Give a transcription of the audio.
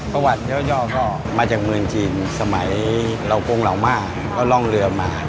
ประวัติย่อก็มาจากเมืองจีนสมัยเหล่ากงเหล่าม่าก็ร่องเรือมา